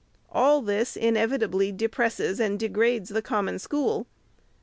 All this inevitably depresses and degrades the Common School.